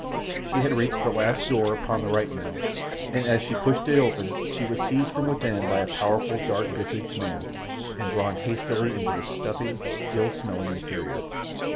She had reached the last door upon the right now, and as she pushed it open she was seized from within by a powerful, dark visaged man, and drawn hastily into the stuffy, ill smelling interior.